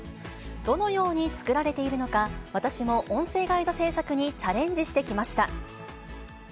どのように作られているのか、私も音声ガイド制作にチャレンジしてきました。